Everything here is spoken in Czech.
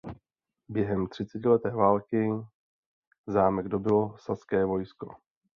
Během třicetileté války zámek dobylo saské vojsko.